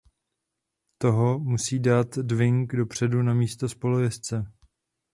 Toho musí dát Dwight dopředu na místo spolujezdce.